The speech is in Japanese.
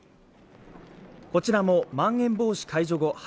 こちらもまん延防止解除後